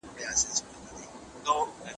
د مورنی ژبي زده کړه په ذهن فشار نه راوړي.